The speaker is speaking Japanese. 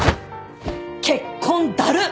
結婚だるっ！